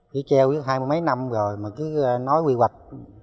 chỉ treo hai mươi mấy năm rồi mà cứ nói quy hoạch